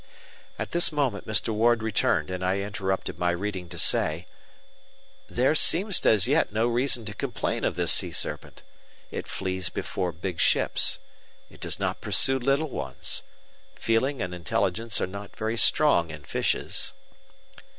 At this moment Mr. Ward returned and I interrupted my reading to say, "There seems as yet no reason to complain of this sea serpent. It flees before big ships. It does not pursue little ones. Feeling and intelligence are not very strong in fishes."